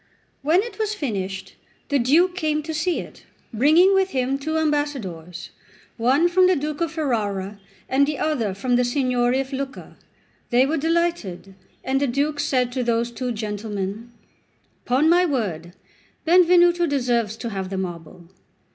When it was finished, the Duke came to see it, bringing with him two ambassadors, one from the Duke of Ferrara, the other from the Signory of Lucca. They were delighted, and the Duke said to those two gentlemen: "Upon my word, Benvenuto deserves to have the marble."